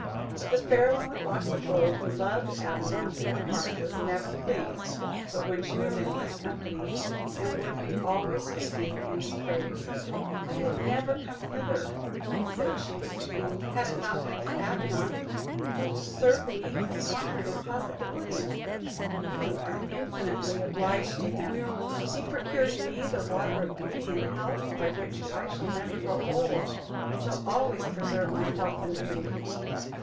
But the Fair One with Locks of Gold, who loved Avenant in her heart, was never pleased but when she was in his company, and would be always speaking in his praise: "I had never come hither," said she to the king, "had it not been for Avenant, who, to serve me, has conquered impossibilities; you are infinitely obliged to him; he procured me the water of beauty and health; by which I shall never grow old, and shall always preserve my health and beauty."